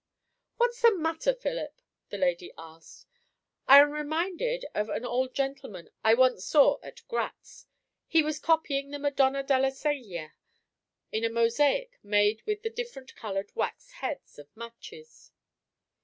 "What's the matter, Philip?" the lady asked. "I am reminded of an old gentleman I once saw at Gratz; he was copying the Madonna della Seggia in a mosaic made with the different coloured wax heads of matches."